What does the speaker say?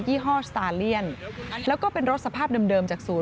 ี่ห้อสตาเลียนแล้วก็เป็นรถสภาพเดิมจากศูน